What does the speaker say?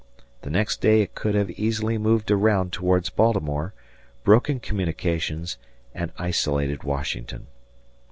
The next day it could have easily moved around towards Baltimore, broken communications, and isolated Washington.